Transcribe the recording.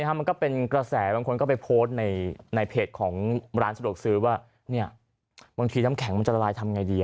มันก็เป็นกระแสบางคนก็ไปโพสต์ในเพจของร้านสะดวกซื้อว่าบางทีน้ำแข็งมันจะละลายทำไงดี